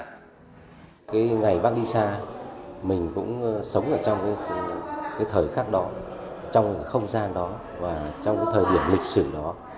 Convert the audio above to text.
cái ngày bác đi xa mình cũng sống ở trong cái thời khắc đó trong cái không gian đó và trong cái thời điểm lịch sử đó